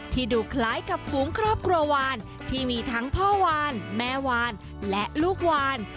ดูคล้ายกับฝูงครอบครัววานที่มีทั้งพ่อวานแม่วานและลูกวาน